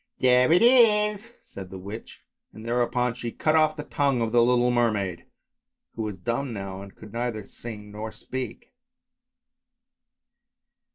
" There it is," said the witch, and thereupon she cut off the tongue of the little mermaid, who was dumb now and could neither sing nor speak.